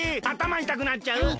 あたまいたくなっちゃう！